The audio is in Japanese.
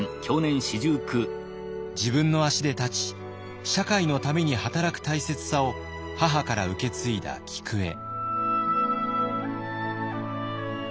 自分の足で立ち社会のために働く大切さを母から受け継いだ菊栄。